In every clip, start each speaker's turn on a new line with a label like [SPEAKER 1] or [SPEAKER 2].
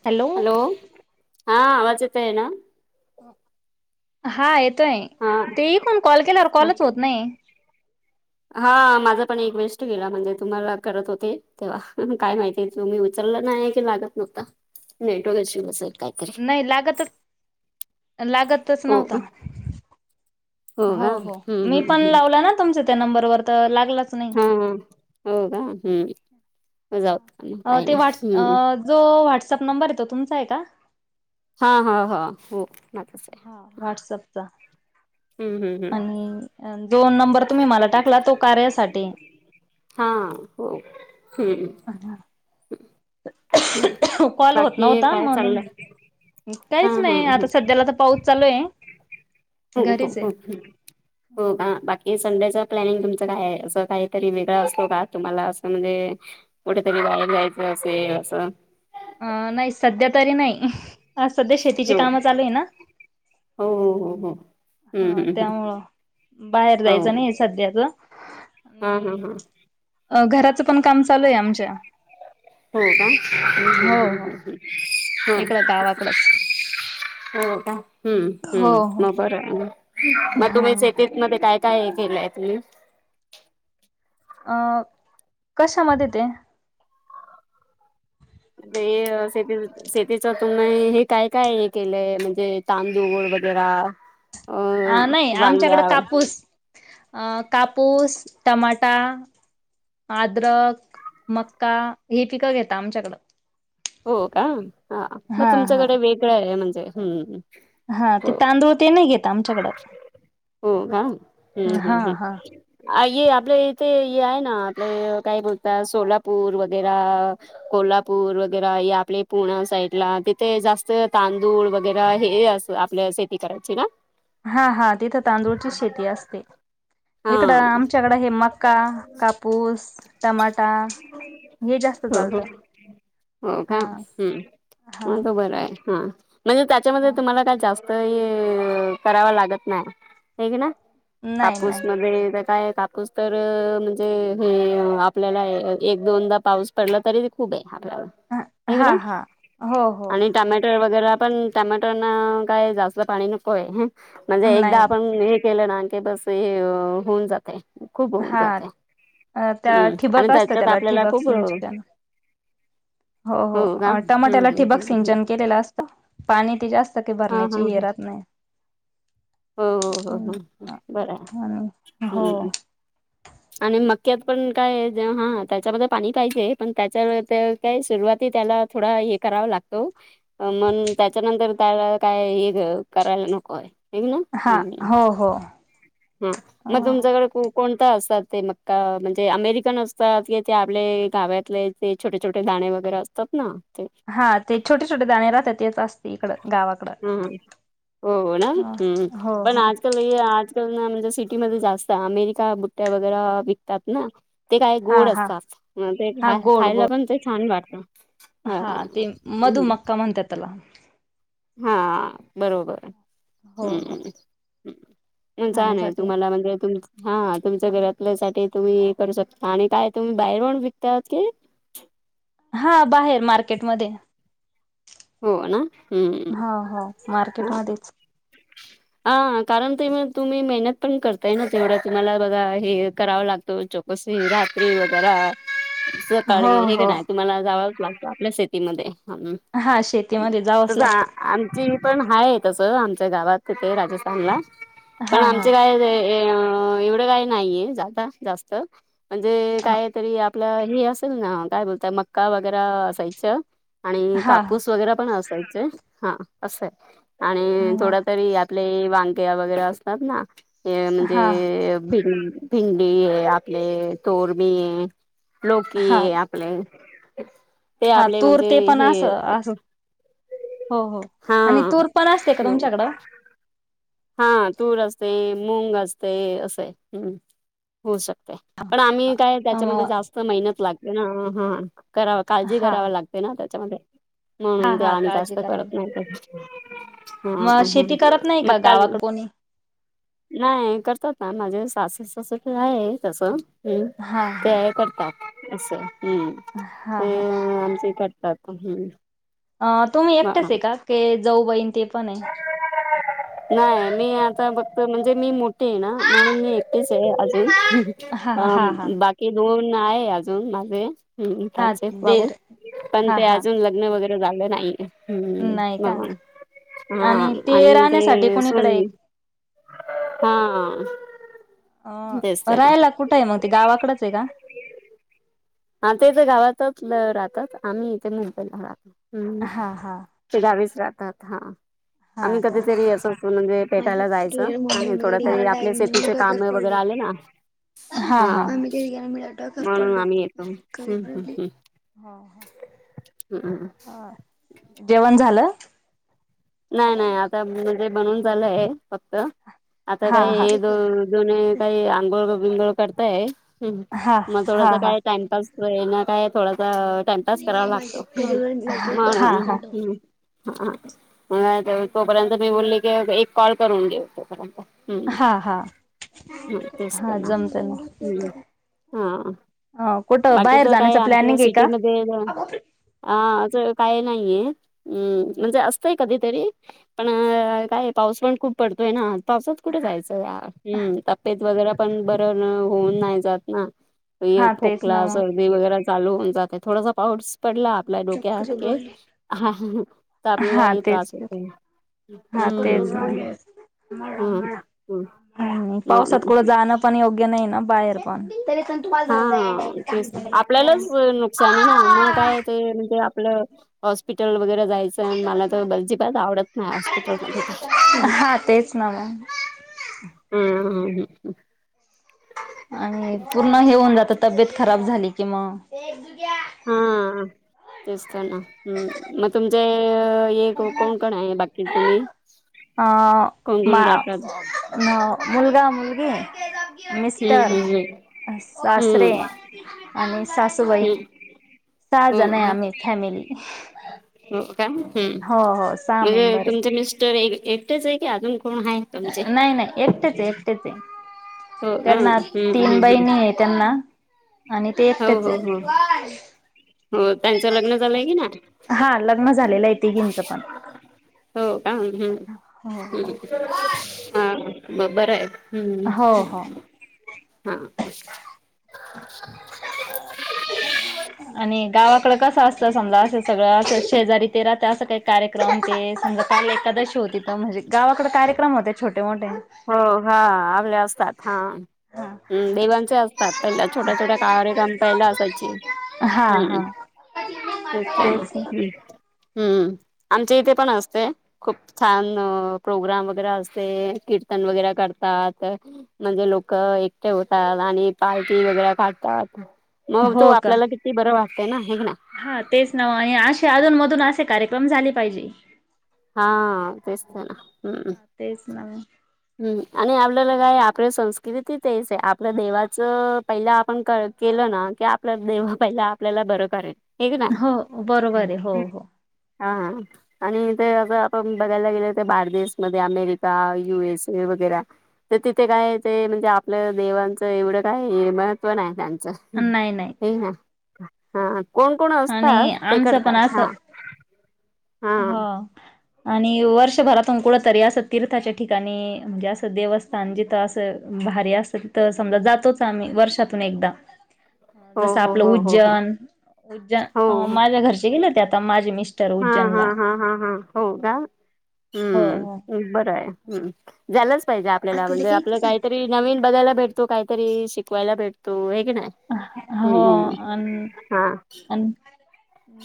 [SPEAKER 1] Hello.
[SPEAKER 2] Hello, हा आवाज येतोय ना?
[SPEAKER 1] हा येतोय.
[SPEAKER 2] हा
[SPEAKER 1] ते इकून कॉल केल्यावर कॉलच होत नाही.
[SPEAKER 2] हा माझा पण एक वेस्ट गेला. म्हणजे तुम्हाला करत होते. तेव्हा काय माहिती तुम्ही उचलला नाही, की लागत नव्हता. नेटवर्क इश्यू असेल काय?
[SPEAKER 1] नाही लागतच लागतच
[SPEAKER 2] हो का
[SPEAKER 1] नव्हता. हो
[SPEAKER 2] का
[SPEAKER 1] हो.
[SPEAKER 2] हम्म
[SPEAKER 1] मी पण
[SPEAKER 2] हम्म
[SPEAKER 1] लावला ना तुमच्या त्या नंबर वर, तर लागलाच नाही.
[SPEAKER 2] हा हम्म, हो का? हम्म. मग जावू दे.
[SPEAKER 1] अ ते व्हट, अ जो व्हॉटसअप नंबर आहे, तो तुमचा आहे का?
[SPEAKER 2] हा हा हा हो, माझाच आहे.
[SPEAKER 1] हा व्हॉट्सअपचा.
[SPEAKER 2] हम्म हम्म हम्म
[SPEAKER 1] आणि दोन नंबर तुम्ही मला टाकला तो कार्यासाठी
[SPEAKER 2] हा, हो हम्म.
[SPEAKER 1] कॉल होत
[SPEAKER 2] बाकी
[SPEAKER 1] नव्हता
[SPEAKER 2] काय
[SPEAKER 1] म्हणून,
[SPEAKER 2] चाललंय हा
[SPEAKER 1] काहीच
[SPEAKER 2] हा
[SPEAKER 1] नाही आता सध्याला तर पाऊस चालूं आहे.
[SPEAKER 2] हो हो
[SPEAKER 1] घरीच आहे
[SPEAKER 2] हो हो. हो का? बाकी संडेच प्लॅनिंग तुमचं काय आहे असं काहीतरी वेगळं असतो का? तुम्हाला असं म्हणजे कुठेतरी बाहेर जायचं असेल असं.
[SPEAKER 1] अं नाही सध्या तरी नाही. आ सध्या शेतीची
[SPEAKER 2] हो
[SPEAKER 1] कामं चालू आहे ना.
[SPEAKER 2] हो हो हो, हम्म
[SPEAKER 1] हा
[SPEAKER 2] हम्म हम्म.
[SPEAKER 1] त्यामुळं बाहेर जायचं नाहीय सध्या गं.
[SPEAKER 2] हा हा हा.
[SPEAKER 1] अ घराचं पण काम चालूं आहे आमच्या.
[SPEAKER 2] हो का? हम्म हम्म
[SPEAKER 1] हो हो
[SPEAKER 2] हम्म हम्म.
[SPEAKER 1] इकडं गावाकडंच.
[SPEAKER 2] हो का? हम्म
[SPEAKER 1] हो
[SPEAKER 2] हम्म,
[SPEAKER 1] हो
[SPEAKER 2] मग बरं आहे ना. मग
[SPEAKER 1] हा
[SPEAKER 2] तुम्ही शेतीत मध्ये काय काय केलंय तुम्ही?
[SPEAKER 1] अ कशामध्ये ते?
[SPEAKER 2] शेती शेतीच तुमही हे काय काय हे केलंय म्हणजे तांदूळ वगैरा? [inaudible]
[SPEAKER 1] अ नाही आमच्याकडे
[SPEAKER 2] वांग्या
[SPEAKER 1] कापूस अ कापूस टमाटा अद्रक, मक्का हे पिकं घेत आमच्याकडं.
[SPEAKER 2] हो का? हा, मग तुमच्याकडे वेगळं आहे म्हणजे हम्..
[SPEAKER 1] हा ते तांदूळ ते नाही घेत आमच्याकडं
[SPEAKER 2] हो का? हम्म
[SPEAKER 1] हा
[SPEAKER 2] हम्म हम्म.
[SPEAKER 1] हा..
[SPEAKER 2] ये आपले इथे आहे ना आपले काय बोलता सोलापूर वगैरा कोल्हापूर व - वैगरा या आपले पुणा साईडला तिथे जास्त तांदूळ वगैरे हे अस आपल्या ठी करायची ना?
[SPEAKER 1] हा हा तिथं तांदूळची शेती असते,
[SPEAKER 2] हा
[SPEAKER 1] इकडं आमच्या हीकड हे मका, कापूस, टमाटा हे जास्त
[SPEAKER 2] हो हो
[SPEAKER 1] चालतं.
[SPEAKER 2] हो का?
[SPEAKER 1] हा
[SPEAKER 2] हम्!
[SPEAKER 1] हा
[SPEAKER 2] मग तर बरं आहे हा. म्हणजे त्याच्यामध्ये
[SPEAKER 1] हा
[SPEAKER 2] तुम्हाला काय जास्त हे करावा लागत नाही. हे ना.
[SPEAKER 1] नाही नाही
[SPEAKER 2] कापूसमध्ये तर काय कापूस तर म्हणजे हे आपल्याला एक दोनदा पाऊस पडला तरी खूप आहे आपल्याला. हे
[SPEAKER 1] हा
[SPEAKER 2] ना
[SPEAKER 1] हा हो हो
[SPEAKER 2] आणि टमॅटो वगैरे पण टमॅटोना काय जास्त पाणी नको आहे, म्हणजे एकदा
[SPEAKER 1] नाही
[SPEAKER 2] आपण केलं ना की बस हे होऊन जाते खूप होऊन
[SPEAKER 1] हा
[SPEAKER 2] जातय
[SPEAKER 1] अ, त्या
[SPEAKER 2] हम्म. आणि
[SPEAKER 1] ठिबक असतं
[SPEAKER 2] त्याच्यात
[SPEAKER 1] त्याला
[SPEAKER 2] आपल्याला
[SPEAKER 1] ठिबक
[SPEAKER 2] खूप
[SPEAKER 1] सिंचन हो
[SPEAKER 2] का
[SPEAKER 1] हो
[SPEAKER 2] हम्म
[SPEAKER 1] टमाट्याला
[SPEAKER 2] हम्
[SPEAKER 1] ठिबक
[SPEAKER 2] ह
[SPEAKER 1] सिंचन केलेलं असतं पाणी त जास्त की
[SPEAKER 2] हा हा
[SPEAKER 1] भरण्याची हि
[SPEAKER 2] हा
[SPEAKER 1] राहत नाही.
[SPEAKER 2] हो हो हो
[SPEAKER 1] हम्म,
[SPEAKER 2] बरा
[SPEAKER 1] आणि हो
[SPEAKER 2] हम्.
[SPEAKER 1] [inaudible]
[SPEAKER 2] आणि मक्यात पण काय जे हा त्याच्यामध्ये पाणी पाहिजे पण त्याच्यावर. काय सुरुवाती त्याला थोडा हे कराव लागतो. मण त्याच्यानंतर त्याला काय हे करायला नकोय.
[SPEAKER 1] हा हो हो.
[SPEAKER 2] हम. मग तुमच्याकडे कोणता असतात ते मक्का म्हणजे अमेरिकन असतात क ते आपले गावातले. ते छोटे छोटे दाणे वगैरे असतात ना.
[SPEAKER 1] हा ते छोटे छोटे दाणे राहतात तेच असते इकड गावा
[SPEAKER 2] हम् हो ना हम्
[SPEAKER 1] हो
[SPEAKER 2] पण आजकाल. आजकाल ना म्हणजे सिटीमध्ये जास्त अमेरिका बुट्ट्या वगैरे विकतात ना. ते काय
[SPEAKER 1] हा
[SPEAKER 2] गोड
[SPEAKER 1] हा
[SPEAKER 2] असतात ते
[SPEAKER 1] हा गोड
[SPEAKER 2] खायला
[SPEAKER 1] गोड
[SPEAKER 2] पण ते छान वाटतं.
[SPEAKER 1] हा ते मधुमक्का म्हणतात त्याला.
[SPEAKER 2] हा बरोबर
[SPEAKER 1] हो हो
[SPEAKER 2] हम्म. छान आहे
[SPEAKER 1] खाण्यासाठी
[SPEAKER 2] तुम्हाला म्हणजे तुम हा तुमच्या घरातल्या साठी तुम्ही करू शकता काय तुम्ही बाहेर पण विकतात की
[SPEAKER 1] हा बाहेर मार्केटमध्ये.
[SPEAKER 2] हो ना हम्म
[SPEAKER 1] हो हो
[SPEAKER 2] ह.
[SPEAKER 1] मार्केटमध्येच
[SPEAKER 2] हा कारण ते तुम्ही मेहनत पण करताय ना तेवढं तुम्हाला बघा हे करावा लागतो जॉब बस ये रात्री वैगेरा
[SPEAKER 1] हो
[SPEAKER 2] सकाळी हे की
[SPEAKER 1] हो
[SPEAKER 2] नाही तुम्हाला जावंच लागतं आपल्या शेतीमध्ये.
[SPEAKER 1] हा शेतीमध्ये जावंच
[SPEAKER 2] तसं
[SPEAKER 1] लागतं.
[SPEAKER 2] आमची पण हाय तस आमच्या गावात तिथे राजस्थानला पण
[SPEAKER 1] हा हा
[SPEAKER 2] आमचे काय ते एवढं काय नाहीये ज जास्त म्हणजे
[SPEAKER 1] हा
[SPEAKER 2] काय तरी आपल हे असेल ना काय बोलतय मका वगैरे असायच आणि
[SPEAKER 1] हा
[SPEAKER 2] [unintelligible] आपले
[SPEAKER 1] हा
[SPEAKER 2] वांगे वगैरे असतात ना
[SPEAKER 1] हा
[SPEAKER 2] म्हणजे भिंडी आहे, आपले तोरमी आहे,
[SPEAKER 1] हा
[SPEAKER 2] लोकी आहे- ते
[SPEAKER 1] हा
[SPEAKER 2] आपले
[SPEAKER 1] तूर
[SPEAKER 2] म्हणजे
[SPEAKER 1] ते पण
[SPEAKER 2] हे
[SPEAKER 1] असं हो हो आणि तूर पण असते का तुमच्याकडं
[SPEAKER 2] हा हा, तुर असते, मूंग असते, असं आहे हम् पण, आम्ही काय त्याच्यामध्ये जास्त मेहनत लागते ना हा करा काळजी
[SPEAKER 1] हा
[SPEAKER 2] कराव लागते ते ना त्याच्यामध्ये
[SPEAKER 1] हा
[SPEAKER 2] म्हणून ते
[SPEAKER 1] हा
[SPEAKER 2] आम्ही
[SPEAKER 1] काळजी
[SPEAKER 2] जास्त
[SPEAKER 1] करावी
[SPEAKER 2] करत नव्हत. हमम
[SPEAKER 1] मग शेती
[SPEAKER 2] हम्म
[SPEAKER 1] करत नाही
[SPEAKER 2] मग
[SPEAKER 1] का
[SPEAKER 2] काल
[SPEAKER 1] गावाकडे कोणी
[SPEAKER 2] नाही करतात ना, माझे सासूसासरे तर आहे तस हम्
[SPEAKER 1] हा
[SPEAKER 2] ते
[SPEAKER 1] हा
[SPEAKER 2] करतात असं हम्
[SPEAKER 1] हा
[SPEAKER 2] ते
[SPEAKER 1] हा
[SPEAKER 2] आमच इकड [unintelligible]
[SPEAKER 1] अ तुम्ही एकटेच आहे का, के जाऊ बाई ते पण हे?
[SPEAKER 2] नाही मी आता बक्त म्हणजे मी मोठ मोठी आहे ना, म्हणून मी एकटिच आहे
[SPEAKER 1] हा
[SPEAKER 2] अजून,
[SPEAKER 1] हा हा
[SPEAKER 2] बाकी दोन आहे अजून माझे
[SPEAKER 1] हा
[SPEAKER 2] त्यांचे भाऊ
[SPEAKER 1] देर
[SPEAKER 2] पण
[SPEAKER 1] हा
[SPEAKER 2] ते
[SPEAKER 1] हा
[SPEAKER 2] अजून लग्न लग्न वगैरे झालं नाही, ह्म्म
[SPEAKER 1] नाही का
[SPEAKER 2] म्हणून,, हा
[SPEAKER 1] आणि ते
[SPEAKER 2] आणि
[SPEAKER 1] राहण्यासाठी
[SPEAKER 2] ते
[SPEAKER 1] कोणीकडे आहेत
[SPEAKER 2] सून हा
[SPEAKER 1] अ,
[SPEAKER 2] तेच तर ना
[SPEAKER 1] रहायला कुठे आहे मग ते गावाकडेच आहे का?
[SPEAKER 2] हा ते तर गावातच राहतात आम्ही इथे मुंबईला राहतो हम्म
[SPEAKER 1] हा हा
[SPEAKER 2] ते गावीच राहतात, हा आम्ही
[SPEAKER 1] हा का
[SPEAKER 2] कधीतरी अस म्हणजे भेटायला जायचं, आणि, थोड तरी आपले शेतीचे काम वगैरे आले हा
[SPEAKER 1] हा हा आमही तिग मिळाट
[SPEAKER 2] म्हणून
[SPEAKER 1] करर्पडो
[SPEAKER 2] आम्ही येतो. हम्म हम्म
[SPEAKER 1] करबली
[SPEAKER 2] हम्म.
[SPEAKER 1] हा
[SPEAKER 2] हम्म
[SPEAKER 1] हा जेवण झालं
[SPEAKER 2] नाही, नाही, आता म्हणजे बनून झालंय फक्त आता
[SPEAKER 1] हा
[SPEAKER 2] काही
[SPEAKER 1] हा
[SPEAKER 2] हे दो दोन काही आंघोळ बिंगोळ करताय
[SPEAKER 1] हा हा हा. हा
[SPEAKER 2] मग थोडासा काय टाइमपास ना काय थोडासा टाइम पास करावा लागतो म्ह हम्
[SPEAKER 1] हा
[SPEAKER 2] म्हणून तोपर्यंत मी बोलली की एक कॉल करुन घेऊ
[SPEAKER 1] हा हा
[SPEAKER 2] हम् तेच त
[SPEAKER 1] हा
[SPEAKER 2] ना
[SPEAKER 1] जमत
[SPEAKER 2] हा
[SPEAKER 1] अ कुठं
[SPEAKER 2] बाकी
[SPEAKER 1] बाहेर
[SPEAKER 2] च काय
[SPEAKER 1] जाण्याचं
[SPEAKER 2] आमच्या
[SPEAKER 1] प्लॅनिंग आहे का?
[SPEAKER 2] सिटीमध्ये हा असं काय नाहीये, हम् म्हणजे असतय कधीतरी पण काय पाऊस पण खूप पडतोय ना पावसात कुठे जायचं का, हम तबेत वगैरे पण बर होऊन नाही जात ना
[SPEAKER 1] हा तेच ना
[SPEAKER 2] खोकला
[SPEAKER 1] मग
[SPEAKER 2] सर्दी वगैरे चालून जाते थोडासा पाऊस पडला आपल्या डोक्यात तर आपल्याला
[SPEAKER 1] हा
[SPEAKER 2] ही
[SPEAKER 1] तेच
[SPEAKER 2] त्रास होतो
[SPEAKER 1] हा तेच
[SPEAKER 2] हम्म हम्म हां, हं. हो ना
[SPEAKER 1] पावसात कुठ जाणं पण योग्य नाही ना बाहेर पण
[SPEAKER 2] हा तेच आपल्यालाच नुकसान आहे ना, मग काय ते म्हणजे आपलं हॉस्पिटल वगैरे जायचं. पण मला तर अजिबात आवडत नाही हॉस्पिटलमध्ये जायला.
[SPEAKER 1] हा तेच ना मग
[SPEAKER 2] हम्म हं हं
[SPEAKER 1] आणि पूर्ण हे होऊन जात तब्येत खराब झाली कि मग
[SPEAKER 2] हा तेचतना हम् मग तुमचे एक कोण कोण आहे बाकी तुम्ही
[SPEAKER 1] अ
[SPEAKER 2] कोण
[SPEAKER 1] मा
[SPEAKER 2] कोण जातात
[SPEAKER 1] मुलगा मुलगी मिस्टर
[SPEAKER 2] हम्म हम्म
[SPEAKER 1] सासरे
[SPEAKER 2] हम्म
[SPEAKER 1] आणि सासूबाई
[SPEAKER 2] हम्म
[SPEAKER 1] सहा
[SPEAKER 2] हम्म
[SPEAKER 1] जण
[SPEAKER 2] हो
[SPEAKER 1] आहे
[SPEAKER 2] का
[SPEAKER 1] आम्ही फॅमिली
[SPEAKER 2] हो का हम्
[SPEAKER 1] हो हो सहा
[SPEAKER 2] म्हणजे
[SPEAKER 1] मेंबर
[SPEAKER 2] तुमचे मिस्टर एक एकटेच आहे की अजून कोण हाय?
[SPEAKER 1] नाही नाही एकटेच एकटेच आहे
[SPEAKER 2] हो का
[SPEAKER 1] त्यांना
[SPEAKER 2] हम्म हम्म
[SPEAKER 1] तीन
[SPEAKER 2] हम्म
[SPEAKER 1] बहिणी आहेत. त्यांना आणि ते
[SPEAKER 2] हो
[SPEAKER 1] एकटेच
[SPEAKER 2] हो हो
[SPEAKER 1] हेत.
[SPEAKER 2] हो त्याचं लग्न झालंय कि नाय
[SPEAKER 1] हा लग्न झालेलं आहे तिघींचं पण.
[SPEAKER 2] हो का ह्म्म
[SPEAKER 1] हो हो.
[SPEAKER 2] ह्म्म हा म बरं हाय
[SPEAKER 1] हो
[SPEAKER 2] हम्म
[SPEAKER 1] हो.
[SPEAKER 2] हा
[SPEAKER 1] आणि गावाकडे कसं असतं समजा असं सगळं असं शेजारी त्या राहतात असं काही कार्यक्रम ते समजा काल एकादशी होती तर म्हणजे गावाकडं कार्यक्रम होते छोटे मोठे
[SPEAKER 2] हो हा आपल्या असतात हां हम् देवांचे असतात पहिल्या छोट्या छोट्या कार्यक्रम पहिला असायचे
[SPEAKER 1] हा
[SPEAKER 2] हम्म
[SPEAKER 1] हा
[SPEAKER 2] तेच आहे ना- हम् आमच्या इथे पण असते खूप छान प्रोग्राम वगैरे असते. रंग वगैरे करतात ते म्हणजे लोक एकटे होतात आणि पाार्टी वगैरे काढतात मग तो
[SPEAKER 1] हो का
[SPEAKER 2] आपल्याला किती बरं वाटते ना
[SPEAKER 1] हा तेच नाव आहे असे अजून मधून असे कार्यक्रम झाले पाहिजेत.
[SPEAKER 2] हा तेचतना हम
[SPEAKER 1] तेच ना
[SPEAKER 2] हम्म आणि आपल्याला काय आपल्या संस्कृतीती तेच आहे आपल्या देवाचं पहिला आपण क केलं ना की आपलं देव पहिला आपल्याला बरं करेल ऐक ना
[SPEAKER 1] हो बरोबर आहे हो हो
[SPEAKER 2] हा आणि ते असं आपण बघायला गेले तर बारदेशमध्ये अमेरिका यू एस वगैरे तर तिथे काय ते म्हणजे आपलं देवांचं एवढं काय महत्त्व नाही त्यांचं
[SPEAKER 1] नाही नाही
[SPEAKER 2] हे ना हा कोण कोण असतात
[SPEAKER 1] आणि
[SPEAKER 2] ते
[SPEAKER 1] आमचं
[SPEAKER 2] करतात हा हा
[SPEAKER 1] हं आणि वर्षभरातून कुठंतरी असं तिर्थाच्या ठिकाणी म्हणजे असं देवस्थ जिथं असं भारी असतं तिथं समजा जातोच आम्ही वर्षातून एकदा
[SPEAKER 2] हा
[SPEAKER 1] जसं आपलं उज्जैन उज्जैन
[SPEAKER 2] हो
[SPEAKER 1] माझ्या घरचे गेलं ते आता माझे मिस्टर
[SPEAKER 2] हा हा
[SPEAKER 1] उज्जैनला.
[SPEAKER 2] हा हा हा हो काय
[SPEAKER 1] हो हो
[SPEAKER 2] बरं आहे झालाच पाहिजे आपल्याला म्हणजे आपलं काहीतरी नवीन बघायला भेटतो काहीतरी शिकवायला भेटतो हे की नाही
[SPEAKER 1] हो
[SPEAKER 2] हम्म
[SPEAKER 1] अन
[SPEAKER 2] हा
[SPEAKER 1] अन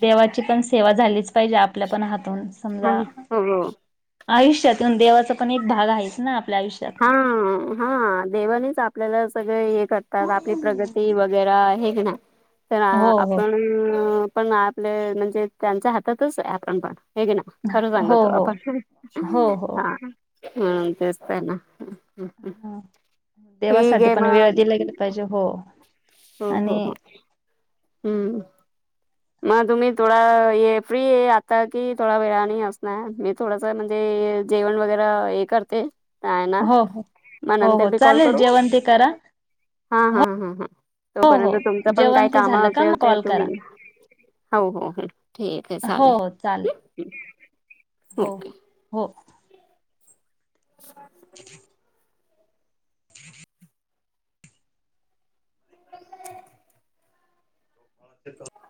[SPEAKER 1] देवाची पण सेवा झालीच पाहिजे आपल्या पण हातून
[SPEAKER 2] हा
[SPEAKER 1] समजा
[SPEAKER 2] हो हो
[SPEAKER 1] आयुष्यात देवाचा पण एक भाग आहेच ना आपल्या आयुष्यात
[SPEAKER 2] ह हा देवानीच आपल्याला सगळे य करतात आपली प्रगती वगैर हे ना तर
[SPEAKER 1] हो हो.
[SPEAKER 2] आपण पण आपल म्हणजे त्यांच्या हातातच आपण पण हे की ना खरं
[SPEAKER 1] हो
[SPEAKER 2] सांगतो
[SPEAKER 1] हो.
[SPEAKER 2] आपण
[SPEAKER 1] हो हो.
[SPEAKER 2] हा तेच तर आहे ना हम्म, हम्म.
[SPEAKER 1] हा
[SPEAKER 2] ठीक
[SPEAKER 1] देवासाठी
[SPEAKER 2] आहे
[SPEAKER 1] पण वेळ
[SPEAKER 2] मग
[SPEAKER 1] दिला गेला पाहिजे हो
[SPEAKER 2] हो हो
[SPEAKER 1] आणि
[SPEAKER 2] हो हम्म मग तुम्ही थोडा ये फ्री आहे आता की थोडा वेळाने आणि असणार मी थोडा म्हणजे जेवण वगैरे हे करते काय ना
[SPEAKER 1] हो हो
[SPEAKER 2] मग
[SPEAKER 1] हो
[SPEAKER 2] नंतर
[SPEAKER 1] हो
[SPEAKER 2] मी कॉल
[SPEAKER 1] चालेल
[SPEAKER 2] करू?
[SPEAKER 1] जेवण ते करा
[SPEAKER 2] हा
[SPEAKER 1] हो
[SPEAKER 2] हा ह ह
[SPEAKER 1] हो हो
[SPEAKER 2] तोपर्यंत तुमचं पण
[SPEAKER 1] जेवण
[SPEAKER 2] काय
[SPEAKER 1] ते
[SPEAKER 2] काम
[SPEAKER 1] झालं का
[SPEAKER 2] असेल
[SPEAKER 1] मग
[SPEAKER 2] तर
[SPEAKER 1] कॉल
[SPEAKER 2] तुम्ही
[SPEAKER 1] करा
[SPEAKER 2] हो हो ह ठीक आहे
[SPEAKER 1] हो हो
[SPEAKER 2] चालेल. ओके
[SPEAKER 1] हो
[SPEAKER 2] [inaudible]
[SPEAKER 1] [inaudible] ह ह [inaudible] [inaudible]